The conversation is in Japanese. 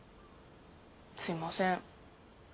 すいません。